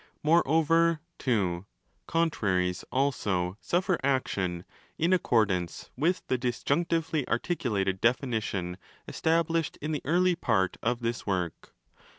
Moreover (ii) con traries also 'suffer action', in accordance with the disjunc tively articulated definition established in the early part of this work.?